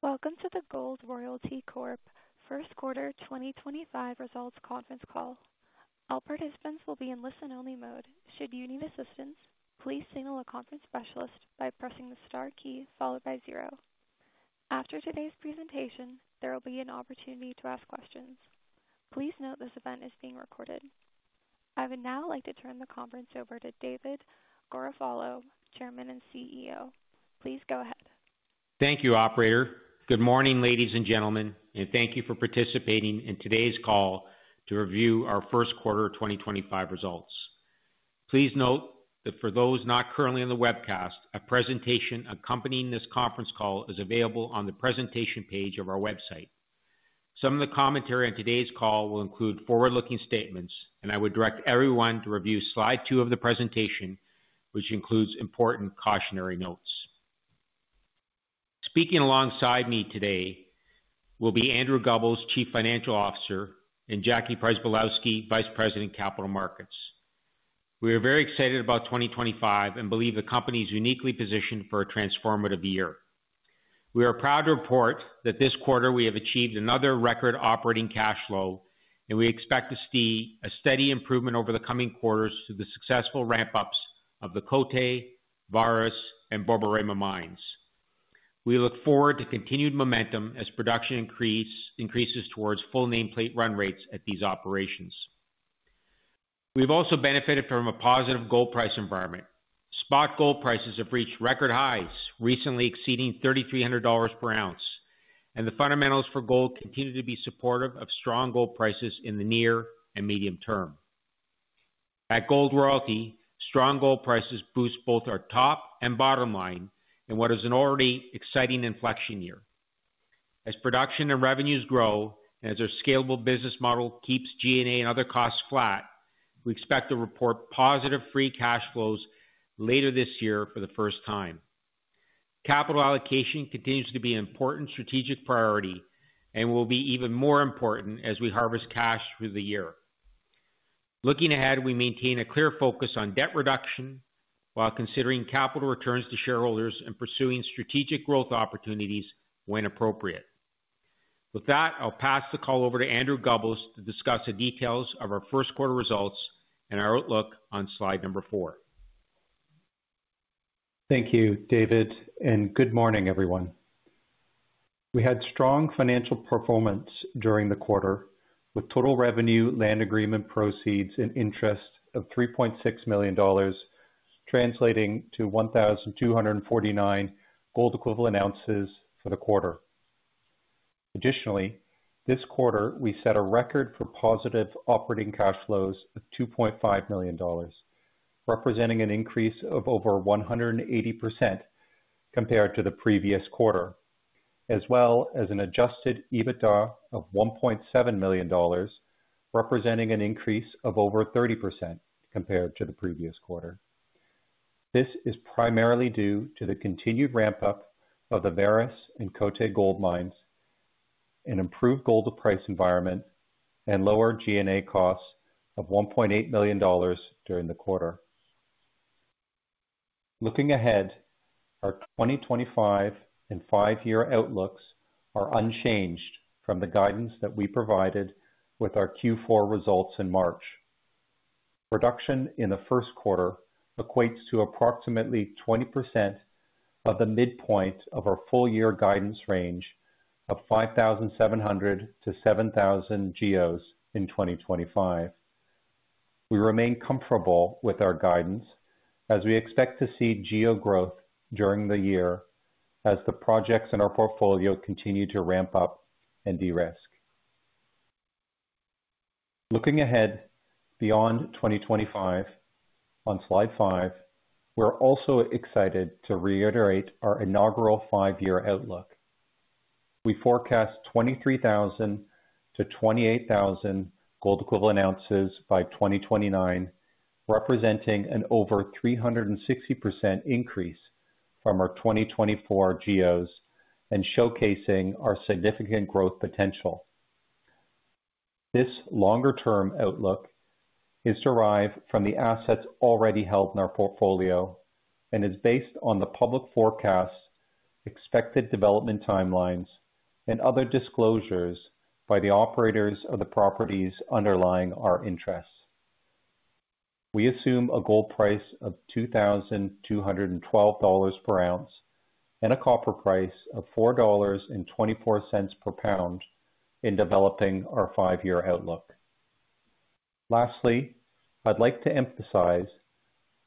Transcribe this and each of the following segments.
Welcome to the Gold Royalty Corp First Quarter 2025 Results Conference Call. All participants will be in listen-only mode. Should you need assistance, please signal a conference specialist by pressing the star key followed by zero. After today's presentation, there will be an opportunity to ask questions. Please note this event is being recorded. I would now like to turn the conference over to David Garofalo, Chairman and CEO. Please go ahead. Thank you, Operator. Good morning, ladies and gentlemen, and thank you for participating in today's call to review our First Quarter 2025 results. Please note that for those not currently on the webcast, a presentation accompanying this conference call is available on the presentation page of our website. Some of the commentary on today's call will include forward-looking statements, and I would direct everyone to review slide two of the presentation, which includes important cautionary notes. Speaking alongside me today will be Andrew Gubbels, Chief Financial Officer, and Jackie Przybylowski, Vice President, Capital Markets. We are very excited about 2025 and believe the company is uniquely positioned for a transformative year. We are proud to report that this quarter we have achieved another record operating cash flow, and we expect to see a steady improvement over the coming quarters through the successful ramp-ups of the Côté, Vareš, and Borborema mines. We look forward to continued momentum as production increases towards full nameplate run rates at these operations. We have also benefited from a positive gold price environment. Spot gold prices have reached record highs, recently exceeding $3,300 per ounce, and the fundamentals for gold continue to be supportive of strong gold prices in the near and medium term. At Gold Royalty, strong gold prices boost both our top and bottom line in what is an already exciting inflection year. As production and revenues grow, and as our scalable business model keeps G&A and other costs flat, we expect to report positive free cash flows later this year for the first time. Capital allocation continues to be an important strategic priority and will be even more important as we harvest cash through the year. Looking ahead, we maintain a clear focus on debt reduction while considering capital returns to shareholders and pursuing strategic growth opportunities when appropriate. With that, I'll pass the call over to Andrew Gubbels to discuss the details of our first quarter results and our outlook on slide number four. Thank you, David, and good morning, everyone. We had strong financial performance during the quarter with total revenue, land agreement proceeds, and interest of $3.6 million, translating to 1,249 gold-equivalent ounces for the quarter. Additionally, this quarter we set a record for positive operating cash flows of $2.5 million, representing an increase of over 180% compared to the previous quarter, as well as an Adjusted EBITDA of $1.7 million, representing an increase of over 30% compared to the previous quarter. This is primarily due to the continued ramp-up of the Vareš and Côté Gold mines, an improved gold price environment, and lower G&A costs of $1.8 million during the quarter. Looking ahead, our 2025 and five-year outlooks are unchanged from the guidance that we provided with our Q4 results in March. Reduction in the first quarter equates to approximately 20% of the midpoint of our full-year guidance range of 5,700-7,000 GEOs in 2025. We remain comfortable with our guidance as we expect to see GEO growth during the year as the projects in our portfolio continue to ramp up and de-risk. Looking ahead beyond 2025, on slide five, we're also excited to reiterate our inaugural five-year outlook. We forecast 23,000-28,000 Gold-Equivalent Ounces by 2029, representing an over 360% increase from our 2024 GEOs and showcasing our significant growth potential. This longer-term outlook is derived from the assets already held in our portfolio and is based on the public forecasts, expected development timelines, and other disclosures by the operators of the properties underlying our interests. We assume a gold price of $2,212 per ounce and a copper price of $4.24 per pound in developing our five-year outlook. Lastly, I'd like to emphasize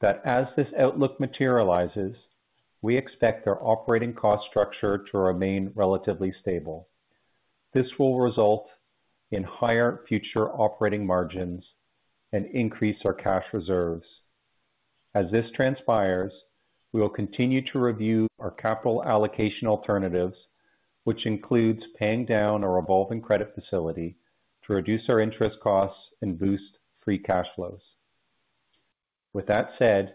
that as this outlook materializes, we expect our operating cost structure to remain relatively stable. This will result in higher future operating margins and increase our cash reserves. As this transpires, we will continue to review our capital allocation alternatives, which includes paying down our evolving credit facility to reduce our interest costs and boost free cash flows. With that said,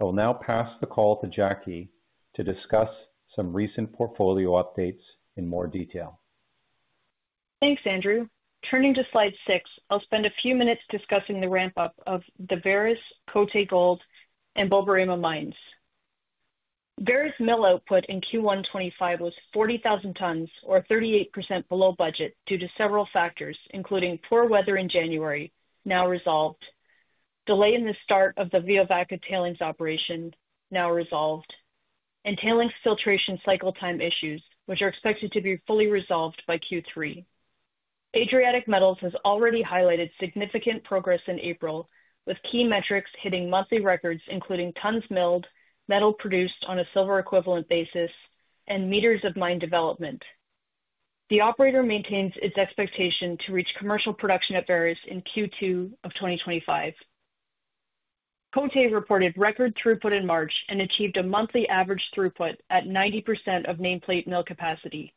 I will now pass the call to Jackie to discuss some recent portfolio updates in more detail. Thanks, Andrew. Turning to slide six, I'll spend a few minutes discussing the ramp-up of the Vareš, Côté Gold, and Borborema mines. Vareš mill output in Q1 2025 was 40,000 tons, or 38% below budget, due to several factors, including poor weather in January, now resolved, delay in the start of the Veovaca tailings operation, now resolved, and tailings filtration cycle time issues, which are expected to be fully resolved by Q3. Adriatic Metals has already highlighted significant progress in April, with key metrics hitting monthly records, including tons milled, metal produced on a silver-equivalent basis, and meters of mine development. The operator maintains its expectation to reach commercial production at Vareš in Q2 of 2025. Côté reported record throughput in March and achieved a monthly average throughput at 90% of nameplate mill capacity.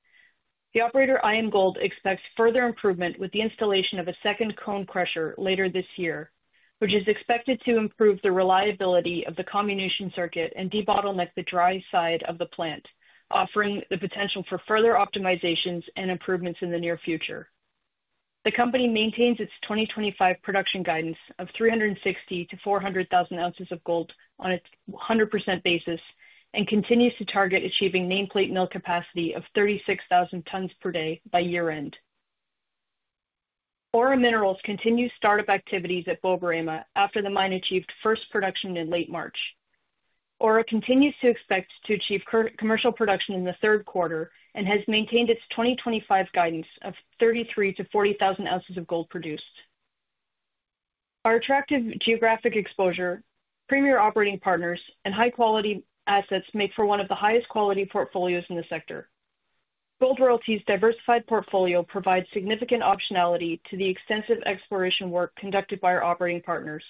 The operator, IAMGOLD, expects further improvement with the installation of a second cone crusher later this year, which is expected to improve the reliability of the comminution circuit and debottleneck the dry side of the plant, offering the potential for further optimizations and improvements in the near future. The company maintains its 2025 production guidance of 360,000 ounces-400,000 ounces of gold on a 100% basis and continues to target achieving nameplate mill capacity of 36,000 tons per day by year-end. Aura Minerals continues startup activities at Borborema after the mine achieved first production in late March. Aura continues to expect to achieve commercial production in the third quarter and has maintained its 2025 guidance of 33,000 ounces-40,000 ounces of gold produced. Our attractive geographic exposure, premier operating partners, and high-quality assets make for one of the highest-quality portfolios in the sector. Gold Royalty's diversified portfolio provides significant optionality to the extensive exploration work conducted by our operating partners.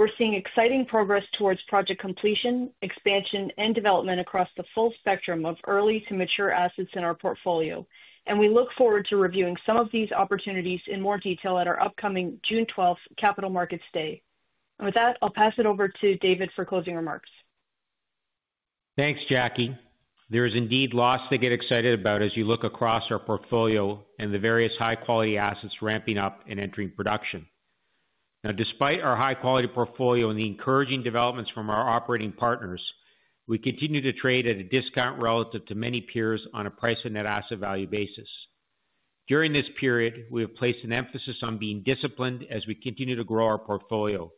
We are seeing exciting progress towards project completion, expansion, and development across the full spectrum of early to mature assets in our portfolio, and we look forward to reviewing some of these opportunities in more detail at our upcoming June 12th Capital Markets Day. With that, I will pass it over to David for closing remarks. Thanks, Jackie. There is indeed lots to get excited about as you look across our portfolio and the various high-quality assets ramping up and entering production. Now, despite our high-quality portfolio and the encouraging developments from our operating partners, we continue to trade at a discount relative to many peers on a price-to-net asset value basis. During this period, we have placed an emphasis on being disciplined as we continue to grow our portfolio.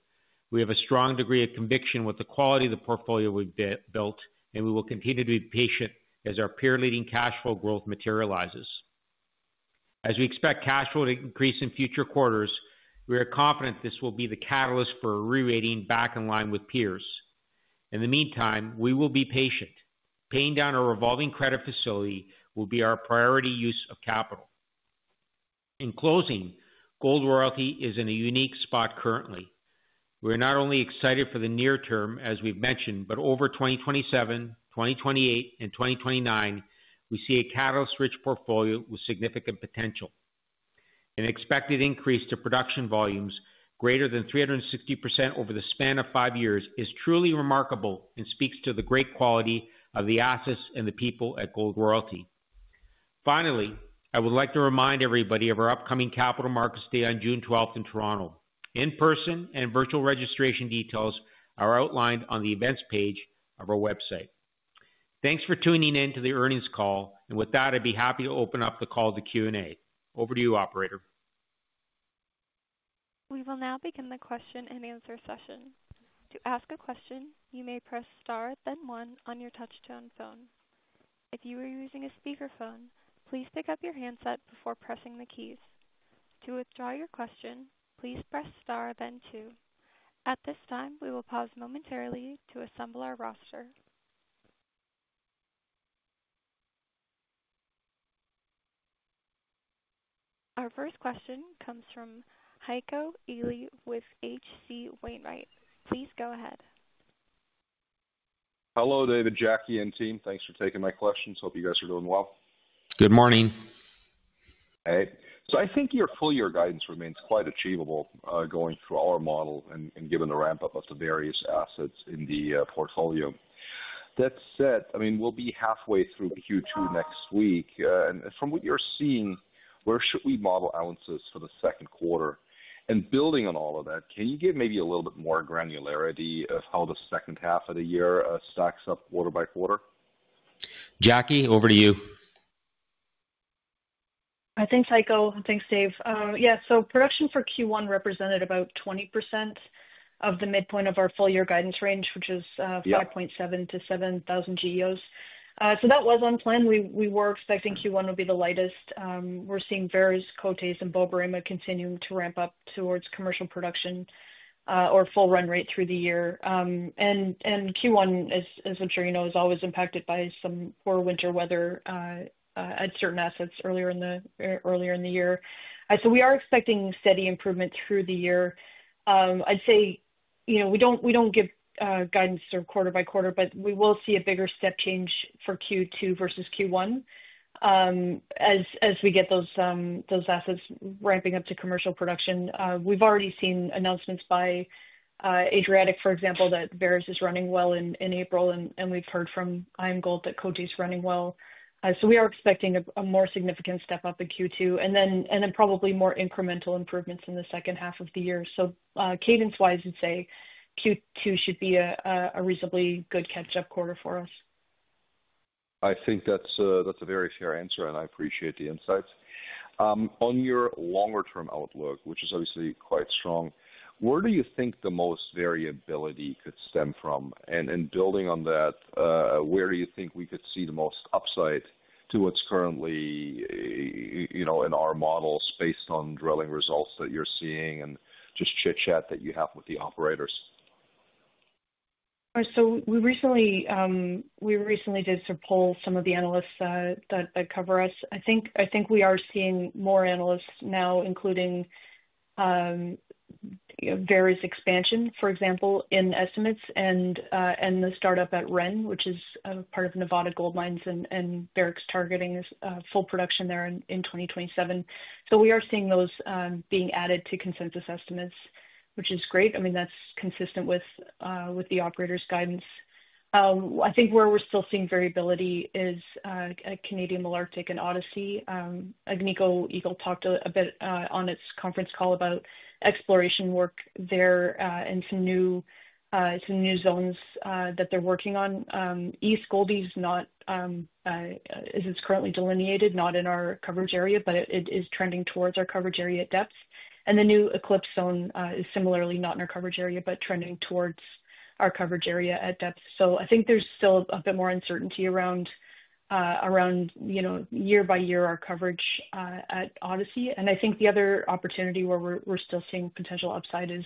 We have a strong degree of conviction with the quality of the portfolio we've built, and we will continue to be patient as our peer-leading cash flow growth materializes. As we expect cash flow to increase in future quarters, we are confident this will be the catalyst for re-rating back in line with peers. In the meantime, we will be patient. Paying down our evolving credit facility will be our priority use of capital. In closing, Gold Royalty is in a unique spot currently. We are not only excited for the near term, as we've mentioned, but over 2027, 2028, and 2029, we see a catalyst-rich portfolio with significant potential. An expected increase to production volumes greater than 360% over the span of five years is truly remarkable and speaks to the great quality of the assets and the people at Gold Royalty. Finally, I would like to remind everybody of our upcoming Capital Markets Day on June 12th in Toronto. In-person and virtual registration details are outlined on the events page of our website. Thanks for tuning in to the earnings call, and with that, I'd be happy to open up the call to Q&A. Over to you, Operator. We will now begin the question and answer session. To ask a question, you may press star, then one on your touch-tone phone. If you are using a speakerphone, please pick up your handset before pressing the keys. To withdraw your question, please press star, then two. At this time, we will pause momentarily to assemble our roster. Our first question comes from Heiko Ihle with H.C. Wainwright. Please go ahead. Hello, David, Jackie, and team. Thanks for taking my questions. Hope you guys are doing well. Good morning. All right. I think your full-year guidance remains quite achievable going through our model and given the ramp-up of the various assets in the portfolio. That said, I mean, we'll be halfway through Q2 next week, and from what you're seeing, where should we model ounces for the second quarter? Building on all of that, can you give maybe a little bit more granularity of how the second half of the year stacks up quarter-by-quarter? Jackie, over to you. I think, Heiko, thanks, Dave. Yeah, so production for Q1 represented about 20% of the midpoint of our full-year guidance range, which is 5,700 GEOs-7,000 GEOs. That was on plan. We were expecting Q1 would be the lightest. We are seeing Vareš, Côté, and Borborema continuing to ramp up towards commercial production or full run rate through the year. Q1, as I am sure you know, is always impacted by some poor winter weather at certain assets earlier in the year. We are expecting steady improvement through the year. I would say we do not give guidance quarter-by-quarter, but we will see a bigger step change for Q2 versus Q1 as we get those assets ramping up to commercial production. We have already seen announcements by Adriatic, for example, that Vareš is running well in April, and we have heard from IAMGOLD that Côté is running well. We are expecting a more significant step up in Q2 and then probably more incremental improvements in the second half of the year. Cadence-wise, I'd say Q2 should be a reasonably good catch-up quarter for us. I think that's a very fair answer, and I appreciate the insights. On your longer-term outlook, which is obviously quite strong, where do you think the most variability could stem from? Building on that, where do you think we could see the most upside to what's currently in our models based on drilling results that you're seeing and just chit-chat that you have with the operators? We recently did some polls from some of the analysts that cover us. I think we are seeing more analysts now, including Vareš expansion, for example, in estimates, and the startup at REN, which is part of Nevada Gold Mines and Barrick's targeting full production there in 2027. We are seeing those being added to consensus estimates, which is great. I mean, that's consistent with the operator's guidance. I think where we're still seeing variability is Canadian Malartic and Odyssey. Agnico Eagle talked a bit on its conference call about exploration work there and some new zones that they're working on. East Gouldie is currently delineated, not in our coverage area, but it is trending towards our coverage area at depth. The new Eclipse Zone is similarly not in our coverage area, but trending towards our coverage area at depth. I think there's still a bit more uncertainty around year-by-year our coverage at Odyssey. I think the other opportunity where we're still seeing potential upside is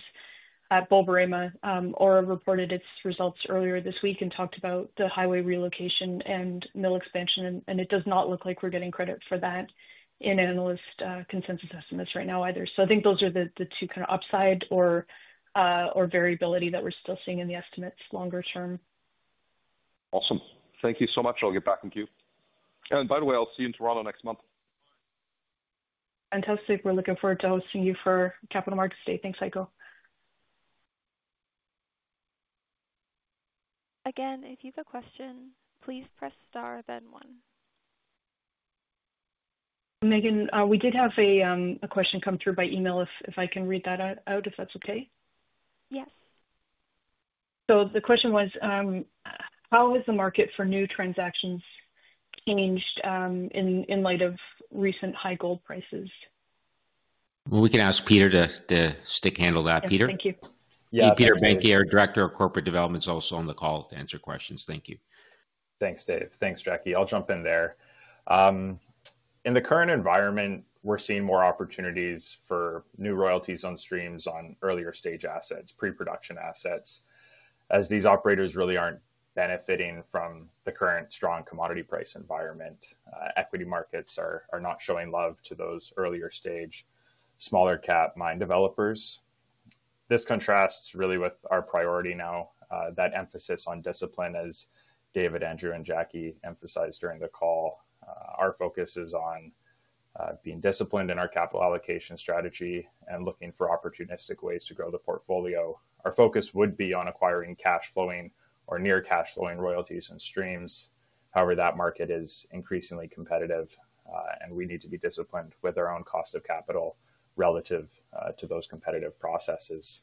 at Borborema. Aura reported its results earlier this week and talked about the highway relocation and mill expansion, and it does not look like we're getting credit for that in analyst consensus estimates right now either. I think those are the two kind of upside or variability that we're still seeing in the estimates longer term. Awesome. Thank you so much. I'll get back in queue. By the way, I'll see you in Toronto next month. Fantastic. We're looking forward to hosting you for Capital Markets Day. Thanks, Heiko. Again, if you have a question, please press star, then one. Megan, we did have a question come through by email. If I can read that out, if that's okay. Yes. The question was, how has the market for new transactions changed in light of recent high gold prices? We can ask Peter to stick handle that. Peter. Thank you. Peter Behncke, our Director of Corporate Development, also on the call to answer questions. Thank you. Thanks, David. Thanks, Jackie. I'll jump in there. In the current environment, we're seeing more opportunities for new royalties and streams on earlier-stage assets, pre-production assets, as these operators really aren't benefiting from the current strong commodity price environment. Equity markets are not showing love to those earlier-stage, smaller-cap mine developers. This contrasts really with our priority now, that emphasis on discipline, as David, Andrew, and Jackie emphasized during the call. Our focus is on being disciplined in our capital allocation strategy and looking for opportunistic ways to grow the portfolio. Our focus would be on acquiring cash-flowing or near-cash-flowing royalties and streams. However, that market is increasingly competitive, and we need to be disciplined with our own cost of capital relative to those competitive processes.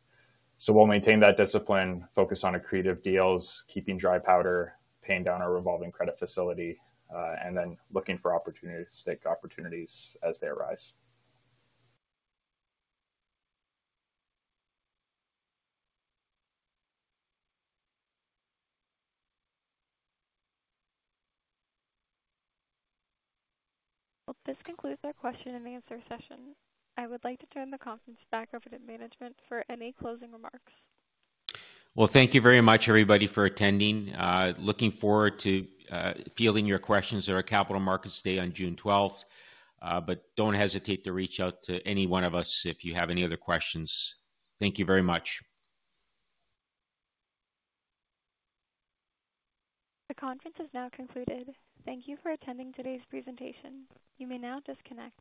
We'll maintain that discipline, focus on accretive deals, keeping dry powder, paying down our revolving credit facility, and then looking for opportunities to take opportunities as they arise. This concludes our question and answer session. I would like to turn the conference back over to management for any closing remarks. Thank you very much, everybody, for attending. Looking forward to fielding your questions at our Capital Markets Day on June 12th, but do not hesitate to reach out to any one of us if you have any other questions. Thank you very much. The conference has now concluded. Thank you for attending today's presentation. You may now disconnect.